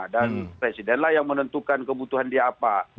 dan presidenlah yang menentukan kebutuhan dia apa